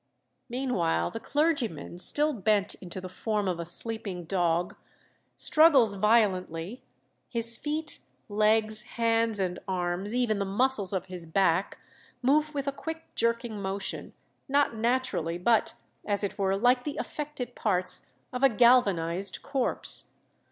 Meanwhile the clergyman, still bent into the form of a sleeping dog, struggles violently; his feet, legs, hands, and arms, even the muscles of his back, move with a quick, jerking motion, not naturally, but, as it were, like the affected parts of a galvanized corpse.